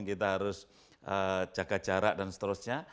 kita harus jaga jarak dan seterusnya